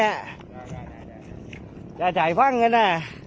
อย่าใจฟังอ่ะน่ะ